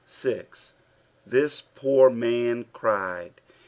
6. '■ Thi* poor man cried."